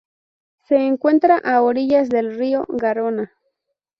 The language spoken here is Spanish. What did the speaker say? Se encuentra a orillas del río Garona.